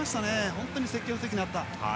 本当に積極的になった。